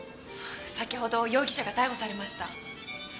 先ほど容疑者が逮捕されました。